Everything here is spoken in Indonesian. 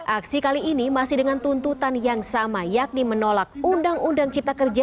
aksi kali ini masih dengan tuntutan yang sama yakni menolak undang undang cipta kerja